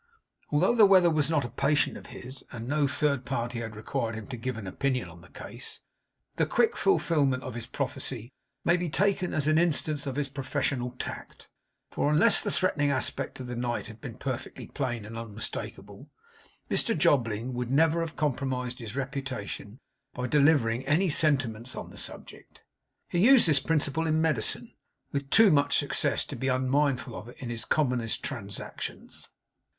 Although the weather was not a patient of his, and no third party had required him to give an opinion on the case, the quick fulfilment of his prophecy may be taken as an instance of his professional tact; for, unless the threatening aspect of the night had been perfectly plain and unmistakable, Mr Jobling would never have compromised his reputation by delivering any sentiments on the subject. He used this principle in Medicine with too much success to be unmindful of it in his commonest transactions.